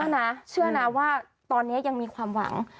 นะเชื่อนะว่าตอนนี้ยังมีความหวัง